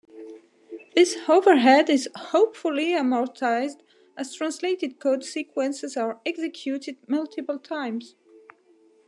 This overhead is hopefully amortized as translated code sequences are executed multiple times.